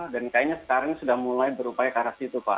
dan kayaknya sekarang sudah mulai berupaya ke arah situ pak